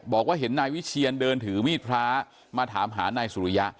บอกว่าเห็นนายวิเชียนเดินถือมีดพระมาถามหานายสุริยะ